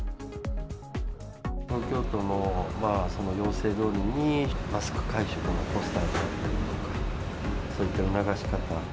東京都の要請どおりにマスク会食のポスターであったりとか、そういった促し方。